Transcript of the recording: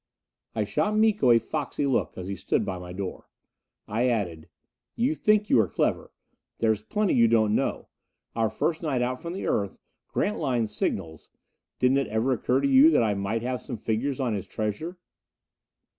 I shot Miko a foxy look as he stood by my door. I added, "You think you are clever. There is plenty you don't know. Our first night out from the Earth Grantline's signals didn't it ever occur to you that I might have some figures on his treasure?"